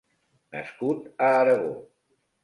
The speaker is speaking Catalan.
Nascut a Aragó.